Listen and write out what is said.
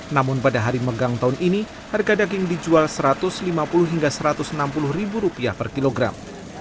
namun pada hari megang tahun ini harga daging dijual rp satu ratus lima puluh hingga rp satu ratus enam puluh per kilogram